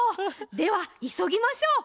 ではいそぎましょう。